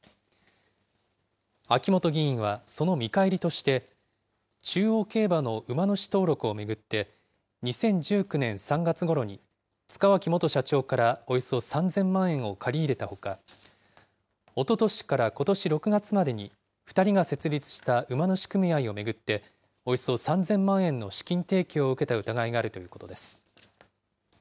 秋本議員はその見返りとして、中央競馬の馬主登録を巡って２０１９年３月ごろに、塚脇元社長からおよそ３０００万円を借り入れたほか、おととしからことし６月までに、２人が設立した馬主組合を巡って、およそ３０００万円の資金提供を受けた疑いがあるということです。